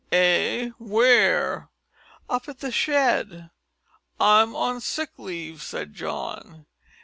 "Eh! Where?" "Up at the shed." "I'm on sick leave," said John.